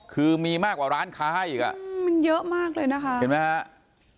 คือมีมากกว่าร้านค้าอีกอ่ะมันเยอะมากเลยนะคะเห็นไหมครับ